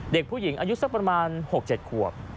เด็กผู้หญิงอายุสักประมาณ๖๗ขวบ